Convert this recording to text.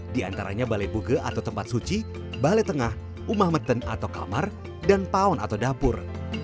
di antaranya balai buge atau tempat suci balai tengah umah meten atau kamar dan paun atau dapur